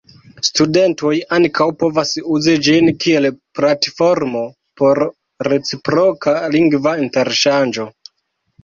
Studentoj ankaŭ povas uzi ĝin kiel platformo por reciproka lingva interŝanĝo.